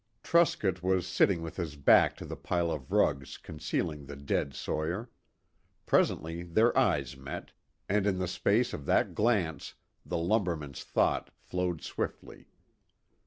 Truscott was sitting with his back to the pile of rugs concealing the dead sawyer. Presently their eyes met, and in the space of that glance the lumberman's thought flowed swiftly.